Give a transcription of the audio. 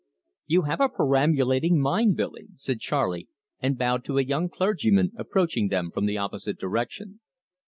"You have a perambulating mind, Billy," said Charley, and bowed to a young clergyman approaching them from the opposite direction.